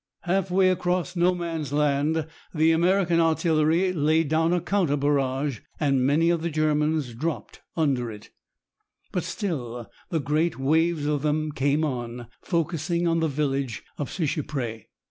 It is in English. Halfway across No Man's Land the American artillery laid down a counter barrage, and many of the Germans dropped under it, but still the great waves of them came on, focussing on the village of Seicheprey.